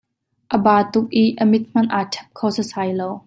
A baa tuk i a mit hmanh a ṭhep kho sasai lo.